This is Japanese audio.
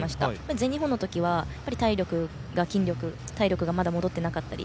全日本の時は体力、筋力がまだ戻っていなかったり。